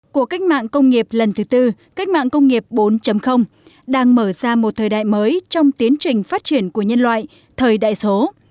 của cách mạng công nghiệp lần thứ tư cách mạng công nghiệp bốn đang mở ra một thời đại mới trong tiến trình phát triển của nhân loại thời đại số